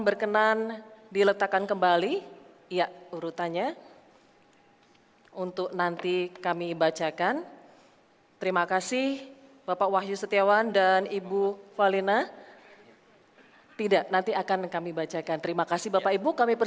berkenan diletakkan kembali ia hurtanya di you actually bapak wahyu setiawan dan ibu pahal centers tidak nanti akan nilai goodbye stopping